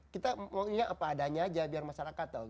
kita mau ingat apa adanya aja biar masyarakat tahu